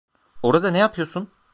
Orada ne yapıyorsun?